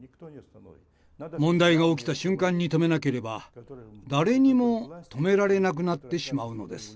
問題が起きた瞬間に止めなければ誰にも止められなくなってしまうのです。